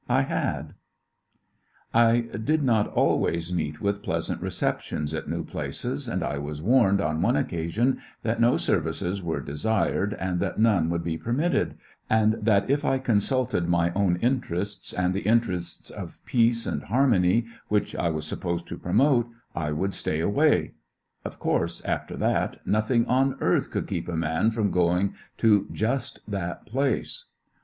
'' I had, I did not always meet with pleasant recep Warned io ^__ keep aivay tious at new places^ and I was warned on one occasion that no services were desired and that none would be permittedj and that if I consulted my own interests and the interests of peaee and hannonyj which I was supposed to promote^ I would stay away. Of course, after that^ nothing on earth could keep a man from going to just that place.